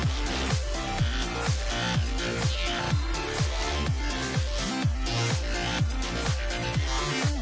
สวัสดีค่ะ